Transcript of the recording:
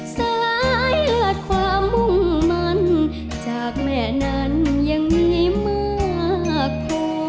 สายเลือดความมุ่งมันจากแม่นั้นยังมีมากพอ